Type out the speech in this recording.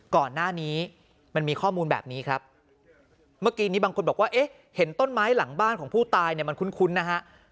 ก่อนหน้านี้มันมีข้อมูลแบบนี้ครับเมื่อกี้นี้บางคนบอกว่าเอ๊ะเห็นต้นไม้หลังบ้านของผู้ตายเนี่ยมันคุ้นนะฮะ